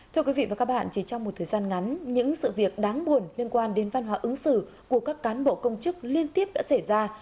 thưa quý vị và các bạn chỉ trong một thời gian ngắn những sự việc đáng buồn liên quan đến văn hóa ứng xử của các cán bộ công chức liên tiếp đã xảy ra